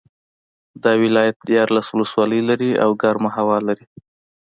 دا ولایت دیارلس ولسوالۍ لري او ګرمه هوا لري